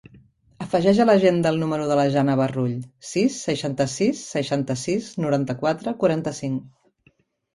Afegeix a l'agenda el número de la Jana Barrull: sis, seixanta-sis, seixanta-sis, noranta-quatre, quaranta-cinc.